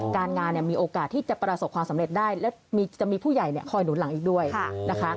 การงานเนี่ยมีโอกาสที่จะประสบความสำเร็จได้และจะมีผู้ใหญ่คอยหนุนหลังอีกด้วยนะคะ